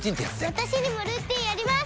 私にもルーティンあります！